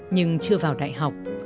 nhưng chưa vào đại học